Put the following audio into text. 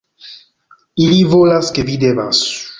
- Ili volas ke vi devas -